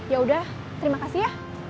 yaudah terima kasih ya